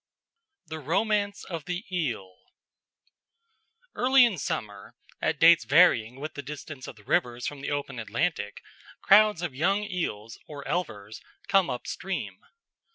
The Romance of the Eel Early in summer, at dates varying with the distance of the rivers from the open Atlantic, crowds of young eels or elvers come up stream.